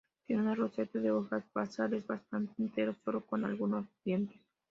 Tiene una roseta de hojas basales, bastante enteras, sólo con algunos dientes.